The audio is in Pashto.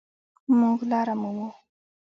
مونږ لاره مومو